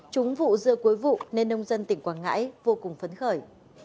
trúng vụ dưa cuối vụ nên nông dân tỉnh quảng ngãi vô cùng phấn khởi